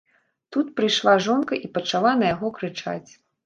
Тут прыйшла жонка і пачала на яго крычаць.